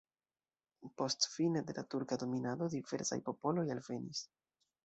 Post fine de la turka dominado diversaj popoloj alvenis.